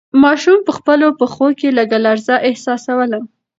ماشوم په خپلو پښو کې لږه لړزه احساسوله.